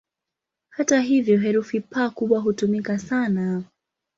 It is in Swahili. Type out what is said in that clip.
Hata hivyo, herufi "P" kubwa hutumika sana.